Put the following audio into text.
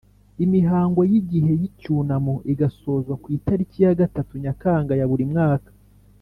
Imihango y’igihe cy’icyunamo igasozwa ku itariki ya gatatu Nyakanga ya buri mwaka